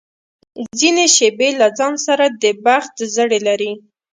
ځینې شېبې له ځان سره د بخت زړي لري.